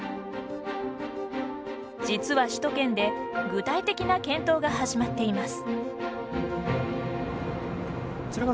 実は首都圏で具体的な検討が始まっています。